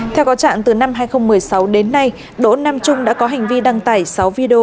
theo có trạng từ năm hai nghìn một mươi sáu đến nay đỗ nam trung đã có hành vi đăng tải sáu video